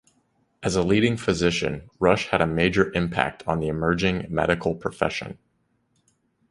As a leading physician, Rush had a major impact on the emerging medical profession.